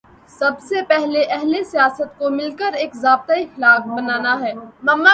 سب سے پہلے اہل سیاست کو مل کر ایک ضابطۂ اخلاق بنانا ہے۔